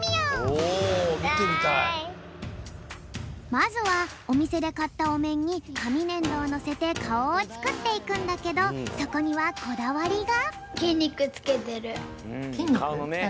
まずはおみせでかったおめんにかみねんどをのせてかおをつくっていくんだけどそこにはこだわりが。